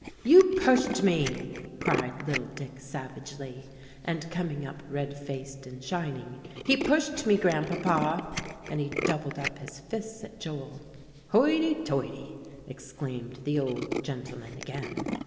"You pushed me," cried little Dick savagely, and coming up red faced and shining. "He pushed me, Grandpapa;" and he doubled up his fists at Joel. "Hoity toity!" exclaimed the old gentleman again.